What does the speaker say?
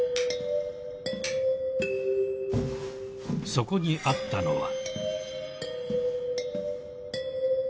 ［そこにあったのは］